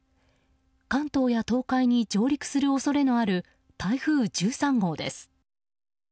関東や東海に上陸する恐れのある台風１３号です。